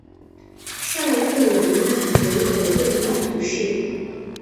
尚特兰讷人口变化图示